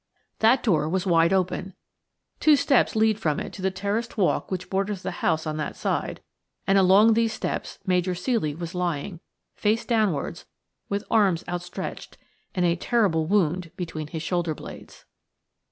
That door was wide open. Two steps lead from it to the terraced walk which borders the house on that side, and along these steps Major Ceely was lying, face downwards, with arms outstretched, and a terrible wound between his shoulder blades.